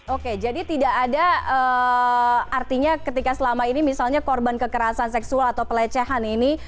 oke jadi tidak ada artinya ketika selama ini misalnya korban kekerasan seksual atau pelecehan ini